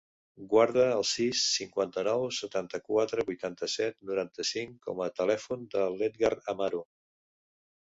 Guarda el sis, cinquanta-nou, setanta-quatre, vuitanta-set, noranta-cinc com a telèfon de l'Edgar Amaro.